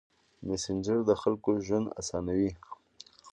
مسېنجر د خلکو ژوند اسانوي.